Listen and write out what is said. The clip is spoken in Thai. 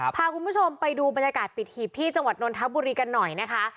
พาคุณผู้ชมไปดูบรรยากาศปิดหีบที่จังหวัดนนทบุรีกันหน่อยนะคะ